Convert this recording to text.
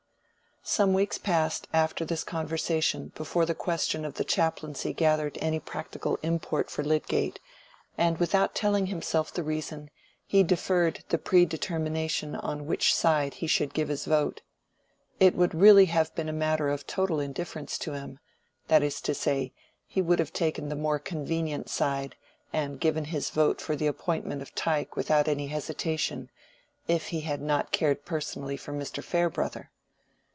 Some weeks passed after this conversation before the question of the chaplaincy gathered any practical import for Lydgate, and without telling himself the reason, he deferred the predetermination on which side he should give his vote. It would really have been a matter of total indifference to him—that is to say, he would have taken the more convenient side, and given his vote for the appointment of Tyke without any hesitation—if he had not cared personally for Mr. Farebrother.